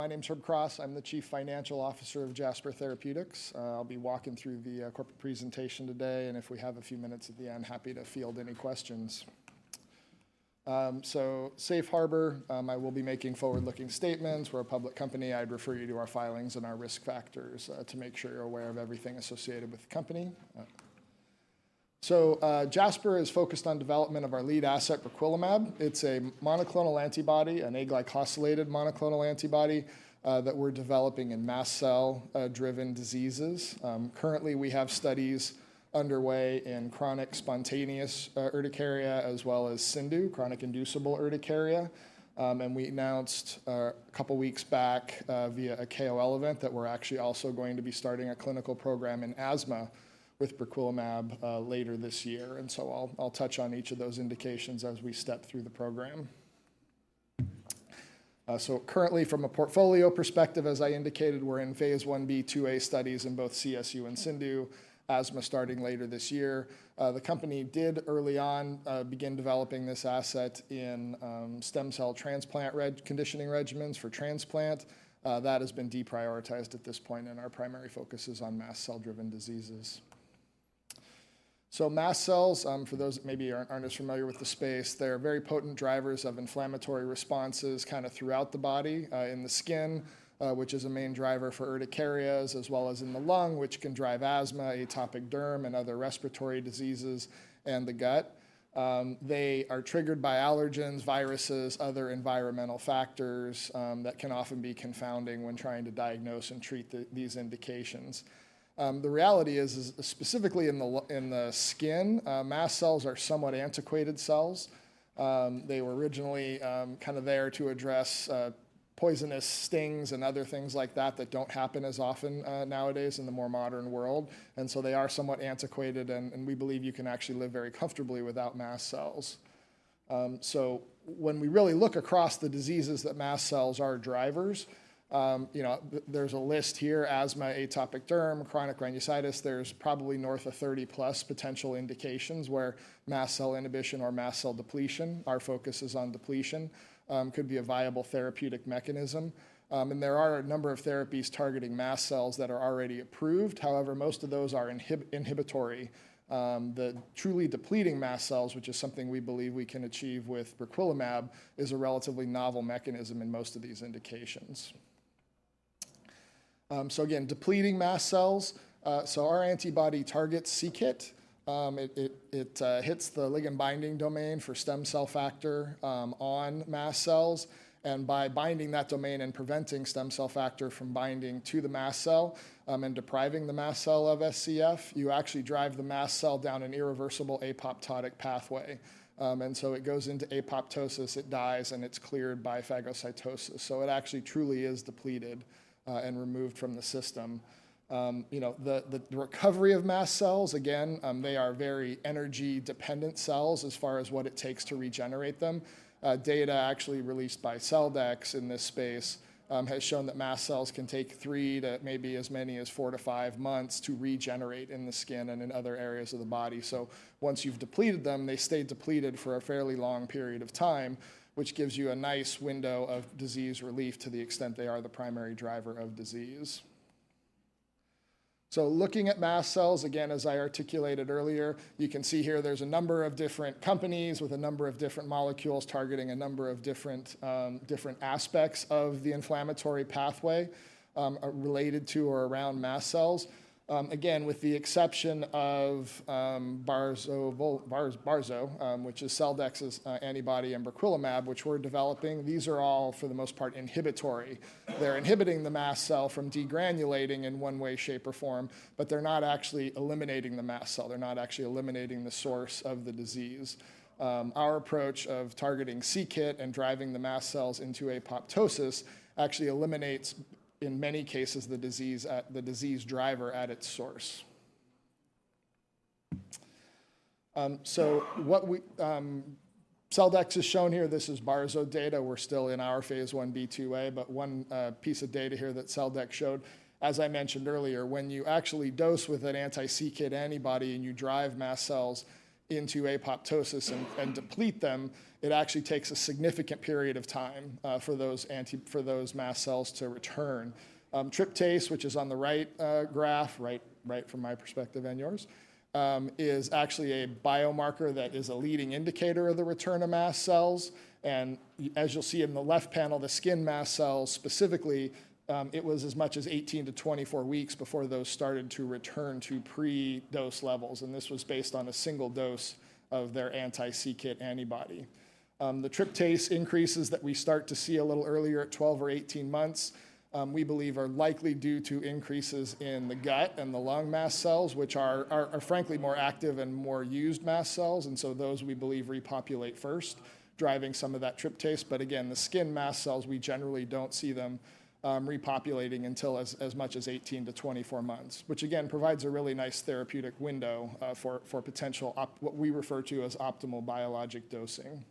My name's Herb Cross. I'm the Chief Financial Officer of Jasper Therapeutics. I'll be walking through the corporate presentation today, and if we have a few minutes at the end, happy to field any questions. So safe harbor, I will be making forward-looking statements. We're a public company. I'd refer you to our filings and our risk factors to make sure you're aware of everything associated with the company. So, Jasper is focused on development of our lead asset briquilimab. It's a monoclonal antibody, an aglycosylated monoclonal antibody, that we're developing in mast cell driven diseases. Currently, we have studies underway in chronic spontaneous urticaria as well as CIndU, chronic inducible urticaria. And we announced a couple weeks back via a KOL event that we're actually also going to be starting a clinical program in asthma with briquilimab later this year, and so I'll touch on each of those indications as we step through the program. So currently, from a portfolio perspective, as I indicated, we're in phase 1b/2a studies in both CSU and CIndU, asthma starting later this year. The company did early on begin developing this asset in stem cell transplant conditioning regimens for transplant. That has been deprioritized at this point, and our primary focus is on mast cell-driven diseases. So mast cells, for those that maybe aren't as familiar with the space, they're very potent drivers of inflammatory responses kind of throughout the body, in the skin, which is a main driver for urticarias, as well as in the lung, which can drive asthma, atopic derm, and other respiratory diseases, and the gut. They are triggered by allergens, viruses, other environmental factors, that can often be confounding when trying to diagnose and treat these indications. The reality is, specifically in the skin, mast cells are somewhat antiquated cells. They were originally kind of there to address poisonous stings and other things like that that don't happen as often nowadays in the more modern world, and so they are somewhat antiquated, and we believe you can actually live very comfortably without mast cells. So when we really look across the diseases that mast cells are drivers, you know, there's a list here: asthma, atopic derm, chronic rhinosinusitis. There's probably north of 30+ potential indications where mast cell inhibition or mast cell depletion, our focus is on depletion, could be a viable therapeutic mechanism. And there are a number of therapies targeting mast cells that are already approved. However, most of those are inhibitory. The truly depleting mast cells, which is something we believe we can achieve with briquilimab, is a relatively novel mechanism in most of these indications. So again, depleting mast cells. So our antibody targets c-Kit. It hits the ligand binding domain for stem cell factor on mast cells, and by binding that domain and preventing stem cell factor from binding to the mast cell and depriving the mast cell of SCF, you actually drive the mast cell down an irreversible apoptotic pathway. And so it goes into apoptosis, it dies, and it's cleared by phagocytosis, so it actually truly is depleted and removed from the system. You know, the recovery of mast cells, again, they are very energy-dependent cells as far as what it takes to regenerate them. Data actually released by Celldex in this space has shown that mast cells can take three to maybe as many as four-five months to regenerate in the skin and in other areas of the body. So once you've depleted them, they stay depleted for a fairly long period of time, which gives you a nice window of disease relief to the extent they are the primary driver of disease. So looking at mast cells, again, as I articulated earlier, you can see here there's a number of different companies with a number of different molecules targeting a number of different aspects of the inflammatory pathway related to or around mast cells. Again, with the exception of Barzo, which is Celldex's antibody and briquilimab, which we're developing, these are all, for the most part, inhibitory. They're inhibiting the mast cell from degranulating in one way, shape, or form, but they're not actually eliminating the mast cell. They're not actually eliminating the source of the disease. Our approach of targeting c-Kit and driving the mast cells into apoptosis actually eliminates, in many cases, the disease driver at its source. So Celldex has shown here, this is Barzo data. We're still in our phase 1b/2a, but one piece of data here that Celldex showed, as I mentioned earlier, when you actually dose with an anti-c-Kit antibody, and you drive mast cells into apoptosis and deplete them, it actually takes a significant period of time for those mast cells to return. Tryptase, which is on the right graph, right from my perspective and yours, is actually a biomarker that is a leading indicator of the return of mast cells. As you'll see in the left panel, the skin mast cells specifically, it was as much as 18-24 weeks before those started to return to pre-dose levels, and this was based on a single dose of their anti-c-Kit antibody. The tryptase increases that we start to see a little earlier at 12 or 18 months, we believe are likely due to increases in the gut and the lung mast cells, which are frankly more active and more used mast cells, and so those we believe repopulate first, driving some of that tryptase, but again, the skin mast cells, we generally don't see them repopulating until as much as 18-24 months, which again, provides a really nice therapeutic window, for potential what we refer to as optimal biologic dosing.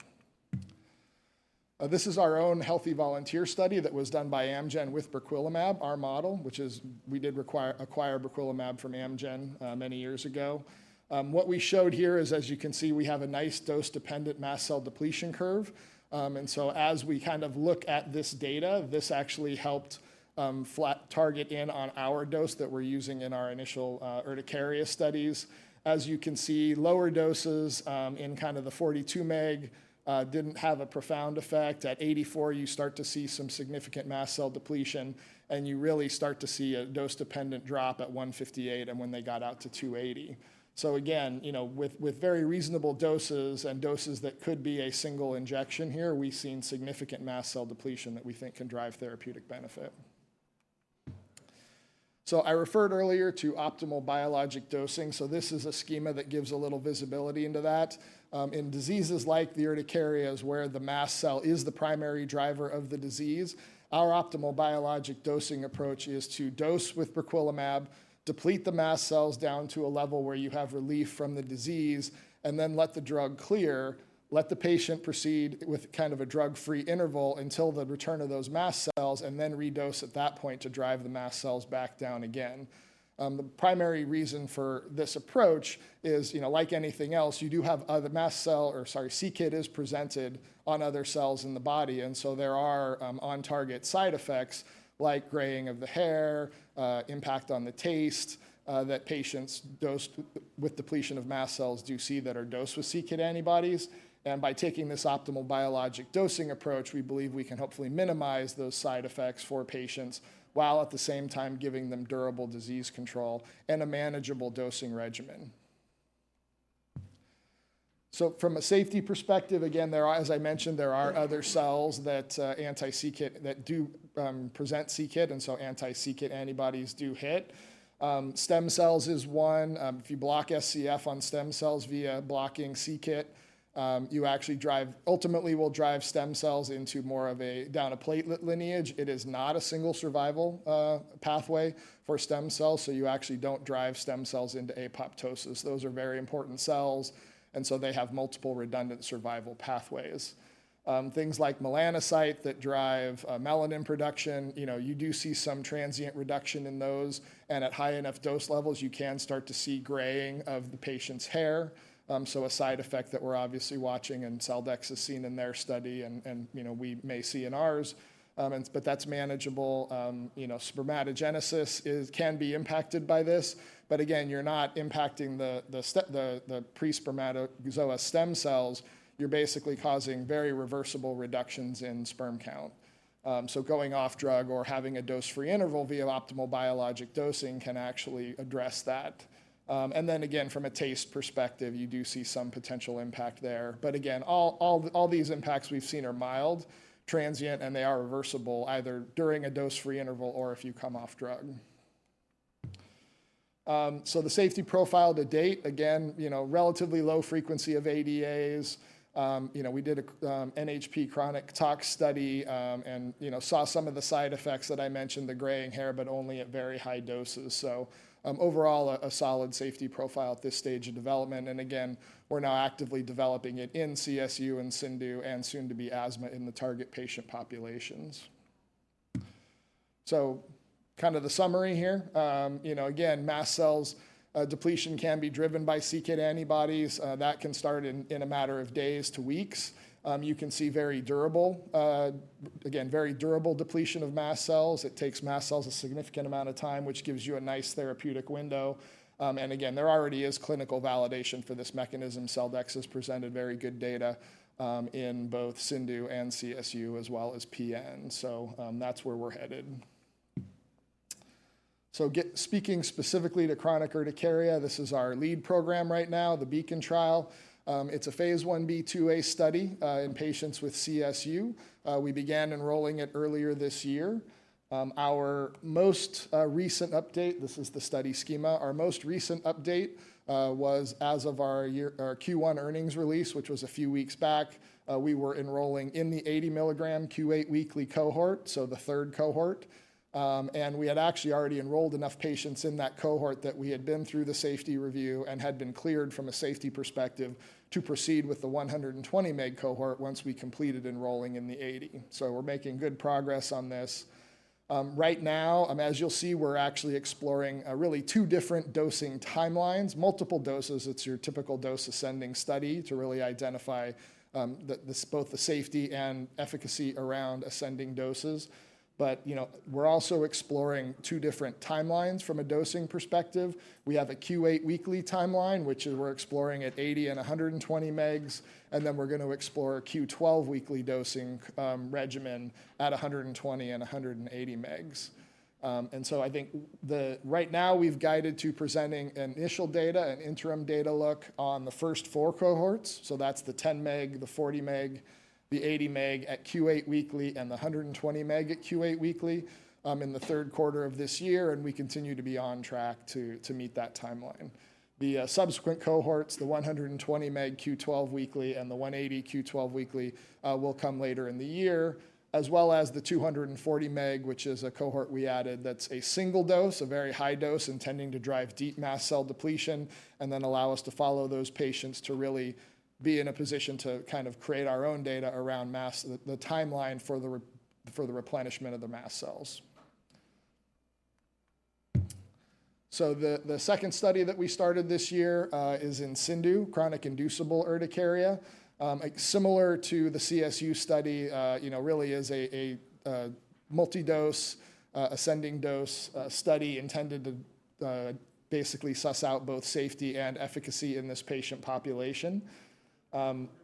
This is our own healthy volunteer study that was done by Amgen with briquilimab, our model, which is, we did acquire briquilimab from Amgen many years ago. What we showed here is, as you can see, we have a nice dose-dependent mast cell depletion curve. And so as we kind of look at this data, this actually helped us target in on our dose that we're using in our initial urticaria studies. As you can see, lower doses in kind of the 42 mg didn't have a profound effect. At 84 mg, you start to see some significant mast cell depletion, and you really start to see a dose-dependent drop at 158 mg and when they got out to 280 mg. So again, you know, with very reasonable doses and doses that could be a single injection here, we've seen significant mast cell depletion that we think can drive therapeutic benefit. So I referred earlier to optimal biologic dosing, so this is a schema that gives a little visibility into that. In diseases like the urticarias, where the mast cell is the primary driver of the disease, our optimal biologic dosing approach is to dose with briquilimab, deplete the mast cells down to a level where you have relief from the disease, and then let the drug clear. Let the patient proceed with kind of a drug-free interval until the return of those mast cells, and then redose at that point to drive the mast cells back down again. The primary reason for this approach is, you know, like anything else, you do have other mast cell... Or sorry, c-Kit is presented on other cells in the body, and so there are on-target side effects like graying of the hair, impact on the taste, that patients dosed with depletion of mast cells do see that are dosed with c-Kit antibodies. By taking this optimal biologic dosing approach, we believe we can hopefully minimize those side effects for patients, while at the same time giving them durable disease control and a manageable dosing regimen. From a safety perspective, again, there are, as I mentioned, there are other cells that, anti-c-Kit, that do, present c-Kit, and so anti-c-Kit antibodies do hit. Stem cells is one. If you block SCF on stem cells via blocking c-Kit, you actually drive, ultimately will drive stem cells into more of a, down a platelet lineage. It is not a single survival, pathway for stem cells, so you actually don't drive stem cells into apoptosis. Those are very important cells, and so they have multiple redundant survival pathways. Things like melanocyte that drive melanin production, you know, you do see some transient reduction in those, and at high enough dose levels, you can start to see graying of the patient's hair. So a side effect that we're obviously watching, and Celldex has seen in their study and, and you know, we may see in ours, and but that's manageable. You know, spermatogenesis can be impacted by this, but again, you're not impacting the pre-spermatogonia stem cells. You're basically causing very reversible reductions in sperm count. So going off drug or having a dose-free interval via optimal biologic dosing can actually address that. And then again, from a taste perspective, you do see some potential impact there. But again, all these impacts we've seen are mild, transient, and they are reversible either during a dose-free interval or if you come off drug. So the safety profile to date, again, you know, relatively low frequency of ADAs. You know, we did a NHP chronic tox study, and you know, saw some of the side effects that I mentioned, the graying hair, but only at very high doses. So overall, a solid safety profile at this stage of development, and again, we're now actively developing it in CSU and CIndU and soon to be asthma in the target patient populations. So kind of the summary here, you know, again, mast cells depletion can be driven by c-Kit antibodies. That can start in a matter of days to weeks. You can see very durable, again, very durable depletion of mast cells. It takes mast cells a significant amount of time, which gives you a nice therapeutic window. And again, there already is clinical validation for this mechanism. Celldex has presented very good data in both CIndU and CSU, as well as PN. So, that's where we're headed. So, speaking specifically to chronic urticaria, this is our lead program right now, the BEACON trial. It's a phase 1b/2a study in patients with CSU. We began enrolling it earlier this year. Our most recent update, this is the study schema, our most recent update was as of our year, our Q1 earnings release, which was a few weeks back. We were enrolling in the 80 mg Q8 weekly cohort, so the third cohort. And we had actually already enrolled enough patients in that cohort that we had been through the safety review and had been cleared from a safety perspective to proceed with the 120 mg cohort once we completed enrolling in the 80 mg. So we're making good progress on this. Right now, as you'll see, we're actually exploring really two different dosing timelines, multiple doses. It's your typical dose-ascending study to really identify both the safety and efficacy around ascending doses. But, you know, we're also exploring two different timelines from a dosing perspective. We have a Q8 weekly timeline, which we're exploring at 80 mgs and 120 mgs, and then we're going to explore a Q12 weekly dosing regimen at 120 mgs and 180 mgs. And so I think the... Right now, we've guided to presenting initial data and interim data look on the first four cohorts, so that's the 10 mg, the 40 mg, the 80 mg at Q8 weekly, and the 120 mg at Q8 weekly, in the third quarter of this year, and we continue to be on track to meet that timeline. The subsequent cohorts, the 120 mg Q12 weekly and the 180 mg Q12 weekly, will come later in the year, as well as the 240 mg, which is a cohort we added that's a single dose, a very high dose, intending to drive deep mast cell depletion and then allow us to follow those patients to really be in a position to kind of create our own data around the timeline for the replenishment of the mast cells. So the second study that we started this year is in CIndU, chronic inducible urticaria. Similar to the CSU study, you know, really is a multi-dose ascending dose study intended to basically suss out both safety and efficacy in this patient population.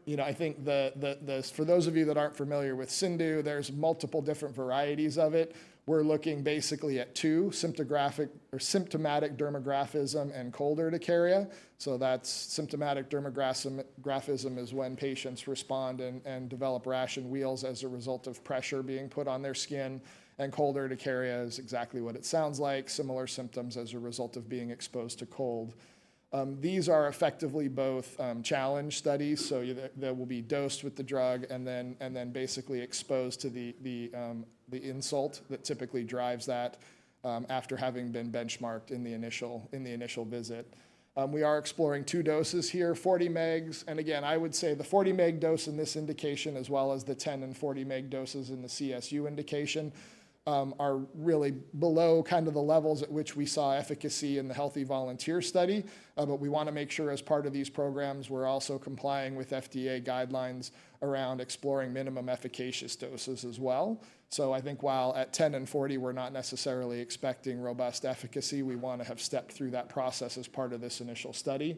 You know, I think the—for those of you that aren't familiar with CIndU, there's multiple different varieties of it. We're looking basically at two, symptomatic dermographism and cold urticaria. So that's symptomatic dermographism, graphism is when patients respond and develop rash and wheals as a result of pressure being put on their skin, and cold urticaria is exactly what it sounds like, similar symptoms as a result of being exposed to cold. These are effectively both challenge studies, so they will be dosed with the drug and then basically exposed to the insult that typically drives that after having been benchmarked in the initial visit. We are exploring two doses here, 40 mg, and again, I would say the 40 mg dose in this indication, as well as the 10 mg and 40 mg doses in the CSU indication, are really below kind of the levels at which we saw efficacy in the healthy volunteer study. But we wanna make sure as part of these programs, we're also complying with FDA guidelines around exploring minimum efficacious doses as well. So I think while at 10 mg and 40 mg, we're not necessarily expecting robust efficacy, we wanna have stepped through that process as part of this initial study.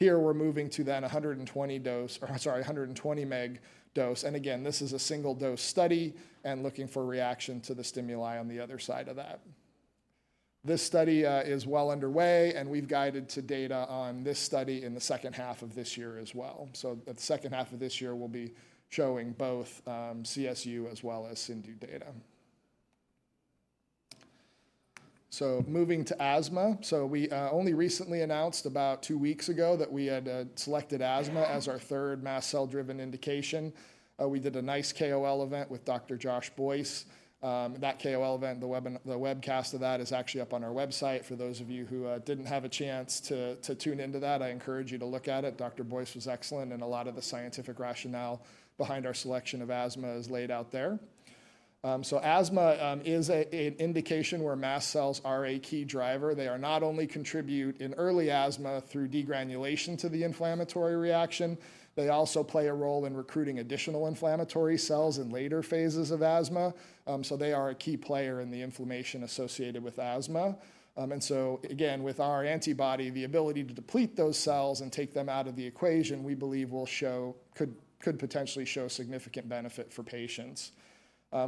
Here, we're moving to then a 120 mg dose, or sorry, a 120 mg dose. And again, this is a single-dose study and looking for reaction to the stimuli on the other side of that. This study is well underway, and we've guided to data on this study in the second half of this year as well. So the second half of this year, we'll be showing both CSU as well as CIndU data. So moving to asthma. So we only recently announced about two weeks ago that we had selected asthma as our third mast cell-driven indication. We did a nice KOL event with Dr. Josh Boyce. That KOL event, the webcast of that is actually up on our website. For those of you who didn't have a chance to tune into that, I encourage you to look at it. Dr. Boyce was excellent, and a lot of the scientific rationale behind our selection of asthma is laid out there. So asthma is an indication where mast cells are a key driver. They are not only contribute in early asthma through degranulation to the inflammatory reaction, they also play a role in recruiting additional inflammatory cells in later phases of asthma. So they are a key player in the inflammation associated with asthma. And so, again, with our antibody, the ability to deplete those cells and take them out of the equation, we believe will show-- could, could potentially show significant benefit for patients.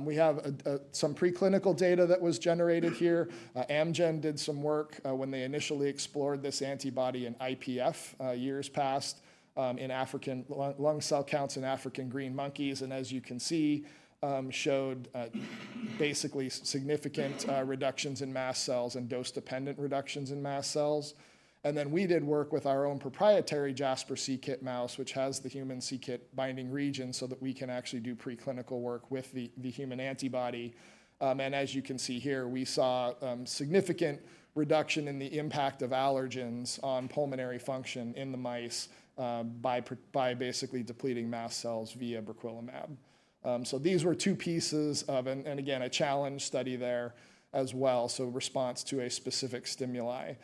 We have some preclinical data that was generated here. Amgen did some work, when they initially explored this antibody in IPF years past, in African green monkeys, lung cell counts in African green monkeys, and as you can see, showed basically significant reductions in mast cells and dose-dependent reductions in mast cells. And then we did work with our own proprietary Jasper c-Kit mouse, which has the human c-Kit binding region, so that we can actually do preclinical work with the human antibody. And as you can see here, we saw significant reduction in the impact of allergens on pulmonary function in the mice by basically depleting mast cells via briquilimab. So these were two pieces of... and again, a challenge study there as well, so response to a specific stimuli.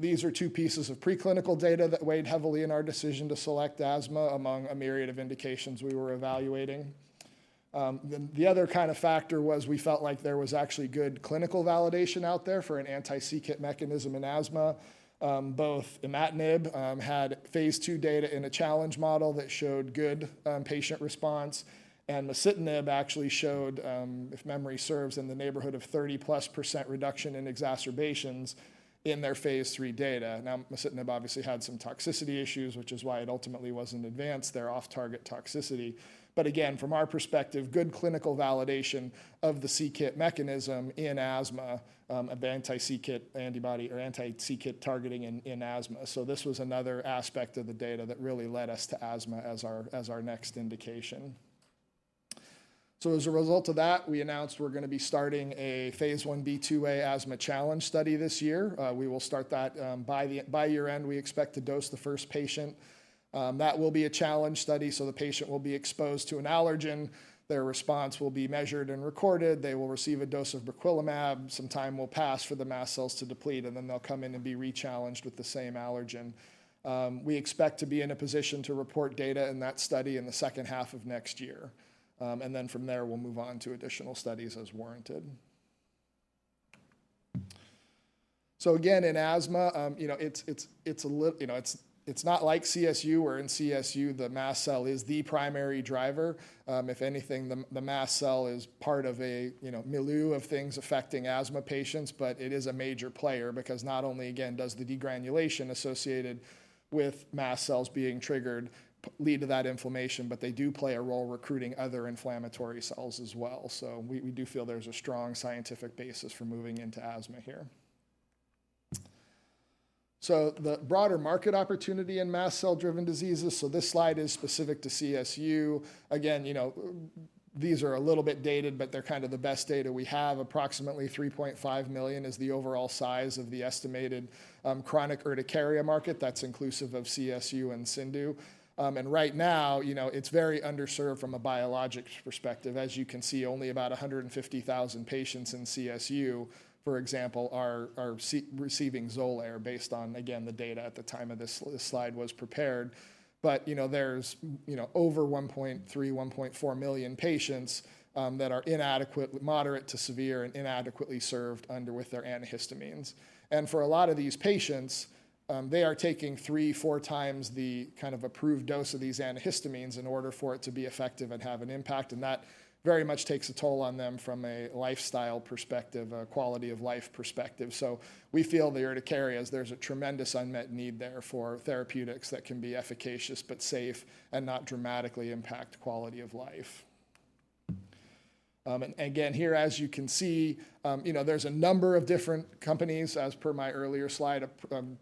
These are two pieces of preclinical data that weighed heavily in our decision to select asthma among a myriad of indications we were evaluating. The other kind of factor was we felt like there was actually good clinical validation out there for an anti-c-Kit mechanism in asthma. Both imatinib had phase II data in a challenge model that showed good patient response, and masitinib actually showed, if memory serves, in the neighborhood of 30%+ reduction in exacerbations in their phase III data. Now, masitinib obviously had some toxicity issues, which is why it ultimately wasn't advanced, their off-target toxicity. But again, from our perspective, good clinical validation of the c-Kit mechanism in asthma of anti-c-Kit antibody or anti-c-Kit targeting in asthma. So this was another aspect of the data that really led us to asthma as our next indication. So as a result of that, we announced we're gonna be starting a phase 1b/2a asthma challenge study this year. We will start that by year-end; we expect to dose the first patient. That will be a challenge study, so the patient will be exposed to an allergen. Their response will be measured and recorded. They will receive a dose of briquilimab. Some time will pass for the mast cells to deplete, and then they'll come in and be rechallenged with the same allergen. We expect to be in a position to report data in that study in the second half of next year. And then from there, we'll move on to additional studies as warranted. So again, in asthma, you know, it's not like CSU, where in CSU, the mast cell is the primary driver. If anything, the mast cell is part of a, you know, milieu of things affecting asthma patients, but it is a major player because not only, again, does the degranulation associated with mast cells being triggered lead to that inflammation, but they do play a role recruiting other inflammatory cells as well. So we do feel there's a strong scientific basis for moving into asthma here. So the broader market opportunity in mast cell-driven diseases, so this slide is specific to CSU. Again, you know, these are a little bit dated, but they're kind of the best data we have. Approximately 3.5 million is the overall size of the estimated chronic urticaria market. That's inclusive of CSU and CIndU. And right now, you know, it's very underserved from a biologics perspective. As you can see, only about 150,000 patients in CSU, for example, are receiving Xolair based on, again, the data at the time this slide was prepared. But, you know, there's, you know, over 1.3-1.4 million patients that are moderate to severe and inadequately controlled with their antihistamines. And for a lot of these patients, they are taking 3x-4x the kind of approved dose of these antihistamines in order for it to be effective and have an impact, and that very much takes a toll on them from a lifestyle perspective, a quality of life perspective. So we feel the urticarias, there's a tremendous unmet need there for therapeutics that can be efficacious but safe and not dramatically impact quality of life. And again, here, as you can see, you know, there's a number of different companies, as per my earlier slide,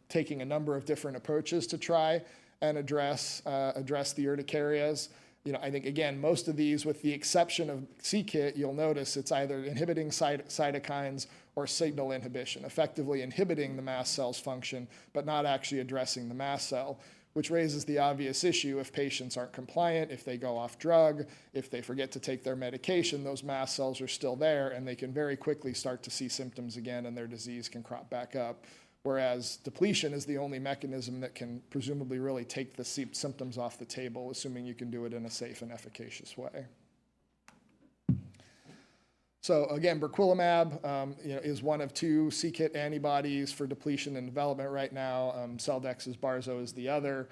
taking a number of different approaches to try and address, address the urticarias. You know, I think, again, most of these, with the exception of c-Kit, you'll notice it's either inhibiting cytokines or signal inhibition, effectively inhibiting the mast cell's function, but not actually addressing the mast cell, which raises the obvious issue if patients aren't compliant, if they go off drug, if they forget to take their medication, those mast cells are still there, and they can very quickly start to see symptoms again, and their disease can crop back up. Whereas depletion is the only mechanism that can presumably really take the symptoms off the table, assuming you can do it in a safe and efficacious way. So again, briquilimab, you know, is one of two c-Kit antibodies for depletion and development right now. Celldex's Barzo is the other.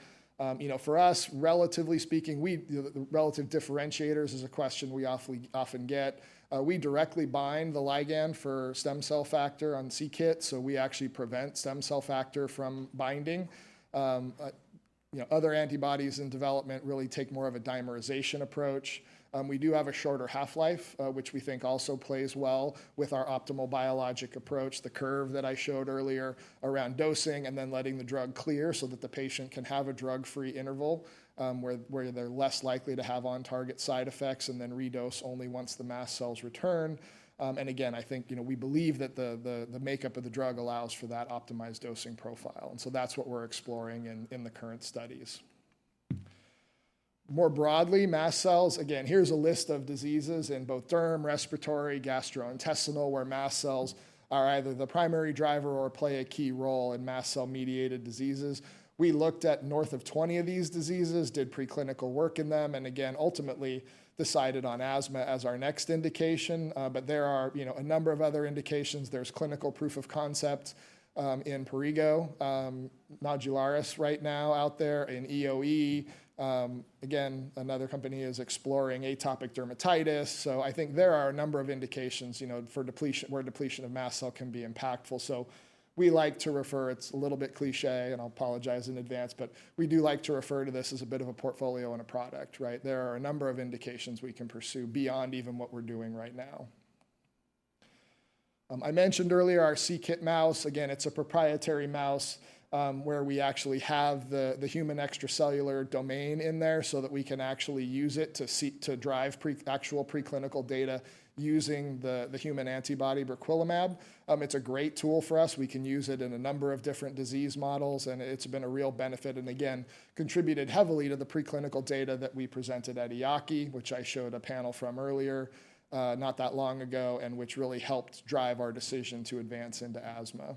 You know, for us, relatively speaking, we, the relative differentiators is a question we often get. We directly bind the ligand for stem cell factor on c-Kit, so we actually prevent stem cell factor from binding. You know, other antibodies in development really take more of a dimerization approach. We do have a shorter half-life, which we think also plays well with our optimal biologic approach, the curve that I showed earlier around dosing and then letting the drug clear so that the patient can have a drug-free interval, where they're less likely to have on-target side effects and then redose only once the mast cells return. And again, I think, you know, we believe that the, the, the makeup of the drug allows for that optimized dosing profile, and so that's what we're exploring in, in the current studies. More broadly, mast cells, again, here's a list of diseases in both derm, respiratory, gastrointestinal, where mast cells are either the primary driver or play a key role in mast cell-mediated diseases. We looked at north of 20 of these diseases, did preclinical work in them, and again, ultimately, decided on asthma as our next indication. But there are, you know, a number of other indications. There's clinical proof of concept in prurigo nodularis right now out there, in EoE. Again, another company is exploring atopic dermatitis, so I think there are a number of indications, you know, for depletion, where depletion of mast cell can be impactful. So we like to refer, it's a little bit cliché, and I'll apologize in advance, but we do like to refer to this as a bit of a portfolio and a product, right? There are a number of indications we can pursue beyond even what we're doing right now. I mentioned earlier our c-Kit mouse. Again, it's a proprietary mouse, where we actually have the human extracellular domain in there so that we can actually use it to drive actual preclinical data using the human antibody briquilimab. It's a great tool for us. We can use it in a number of different disease models, and it's been a real benefit, and again, contributed heavily to the preclinical data that we presented at EAACI, which I showed a panel from earlier, not that long ago, and which really helped drive our decision to advance into asthma.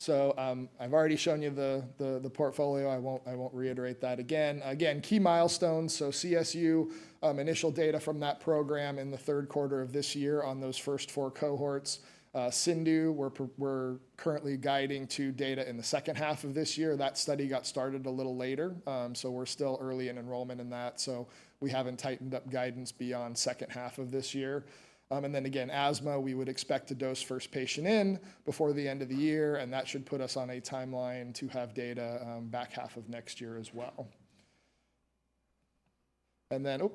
So, I've already shown you the portfolio. I won't reiterate that again. Again, key milestones, so CSU, initial data from that program in the third quarter of this year on those first four cohorts. CIndU, we're currently guiding to data in the second half of this year. That study got started a little later, so we're still early in enrollment in that, so we haven't tightened up guidance beyond second half of this year. And then again, asthma, we would expect to dose first patient in before the end of the year, and that should put us on a timeline to have data, back half of next year as well.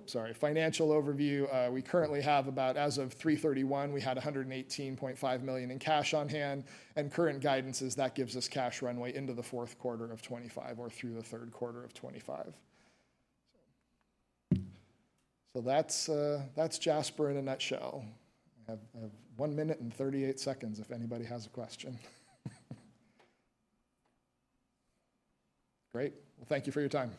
Sorry. Financial overview, we currently have about, as of 3/31, we had $118.5 million in cash on hand, and current guidance is that gives us cash runway into the fourth quarter of 2025 or through the third quarter of 2025. So that's, that's Jasper in a nutshell. I have, I have 1 minute and 38 seconds if anybody has a question. Great. Thank you for your time.